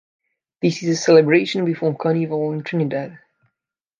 This is the celebration before Carnival in Trinidad.